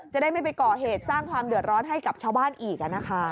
จะได้ไม่ไปก่อเหตุสร้างความเดือดร้อนให้กับชาวบ้านอีก